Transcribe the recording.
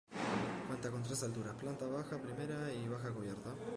Cuenta con tres alturas: planta baja, primera y bajo cubierta.